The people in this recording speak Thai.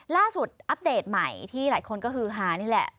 อัปเดตใหม่ที่หลายคนก็คือฮานี่แหละ